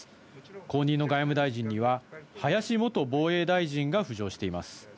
後任の外務大臣には、林元防衛大臣が浮上しています。